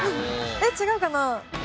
えっ違うかな？